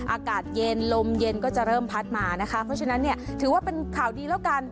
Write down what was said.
อากาศเย็นลมเย็นก็จะเริ่มพัดมานะคะเพราะฉะนั้นเนี่ยถือว่าเป็นข่าวดีแล้วกัน